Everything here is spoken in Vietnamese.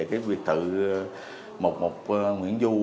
cái việt thự một trăm một mươi một nguyễn du